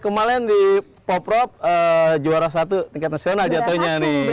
kemarin di pop rob juara satu tingkat nasional jatuhnya nih